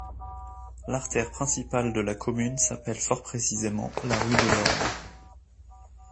L'artère principale de la commune s'appelle fort précisément la rue de l'Orme.